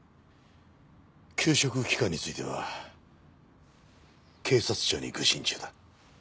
休職期間については警察庁に具申中だ。